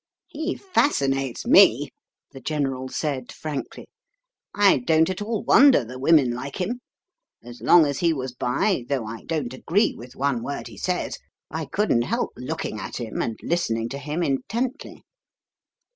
"He fascinates me," the General said frankly. "I don't at all wonder the women like him. As long as he was by, though I don't agree with one word he says, I couldn't help looking at him and listening to him intently."